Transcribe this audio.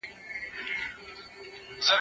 دا قلمان له هغو ښايسته دي!؟